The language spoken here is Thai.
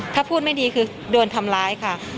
ถ้าพูดไม่ดีคือโดนทำร้ายค่ะ